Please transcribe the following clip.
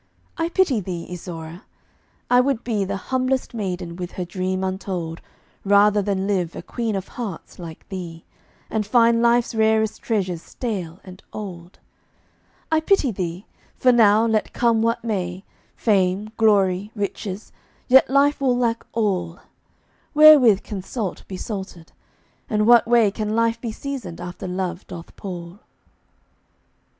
I pity thee, Isaura! I would be The humblest maiden with her dream untold Rather than live a Queen of Hearts, like thee, And find life's rarest treasures stale and old. I pity thee; for now, let come what may, Fame, glory, riches, yet life will lack all. Wherewith can salt be salted? And what way Can life be seasoned after love doth pall?